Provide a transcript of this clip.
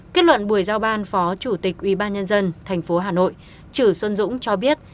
kết luận buổi giao ban phó chủ tịch ubnd tp hà nội chử xuân dũng cho biết